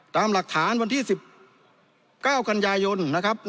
ตามหลักฐานวันที่๑๙กันยายนนะครับ